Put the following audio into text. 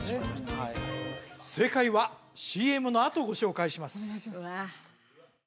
はい正解はＣＭのあとご紹介します！